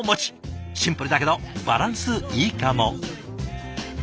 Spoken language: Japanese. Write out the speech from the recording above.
シンプルだけどバランスいいかも。